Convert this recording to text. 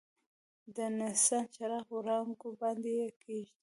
د بنسن چراغ وړانګو باندې یې کیږدئ.